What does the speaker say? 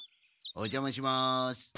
おじゃまします。